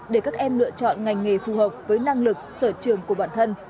để các em lựa chọn ngành nghề phù hợp với năng lực sở trường của bản thân